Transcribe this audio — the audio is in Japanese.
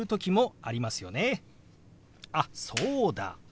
あっそうだ。